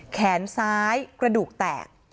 แขนซ้ายกระดูกแตก